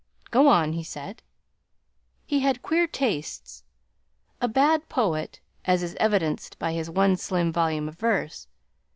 "Go on," he said. "He had queer tastes a bad poet, as is evidenced by his one slim volume of verse.